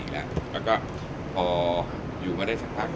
แล้วก็พออยู่มาได้สักพัก